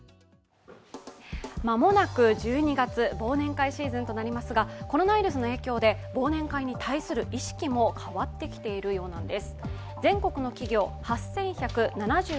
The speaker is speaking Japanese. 間もなく１２月、忘年会シーズンとなりますがコロナウイルスの影響で忘年会に対する意識も変わってきているようなんです。